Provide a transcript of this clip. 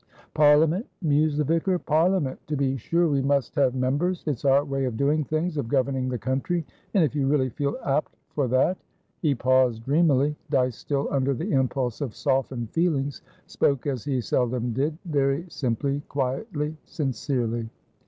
"Parliament," mused the vicar, "Parliament! To be sure, we must have Members; it's our way of doing things, of governing the country. And if you really feel apt for that" He paused dreamily. Dyce, still under the impulse of softened feelings, spoke as he seldom did, very simply, quietly, sincerely.